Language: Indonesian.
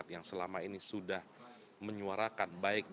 ya selamat malam